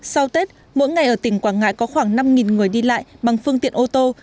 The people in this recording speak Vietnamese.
sau tết mỗi ngày ở tỉnh quảng ngãi có khoảng năm người đi lại bằng phương tiện ô tô